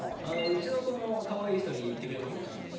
うちの子もかわいい人に行ってくれますねちゃんと。